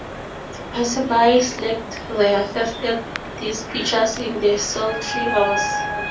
Passersby slaked their thirst at these pitchers in the sultry hours.